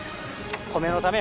米のためよ。